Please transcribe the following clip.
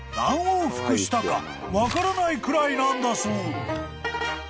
往復したか分からないくらいなんだそう］